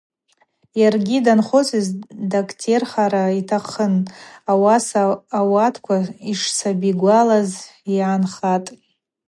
Йаргьи данхвыцыз дактерхара йтахъын, ауаса ауатква йшсаби гвалаз йгӏанхатӏ.